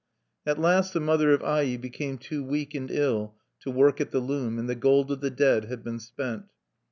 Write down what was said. At last the mother of Ai became too weak and ill to work at the loom; and the gold of the dead had been spent.